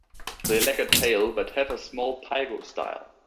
They lack a tail, but have a small pygostyle.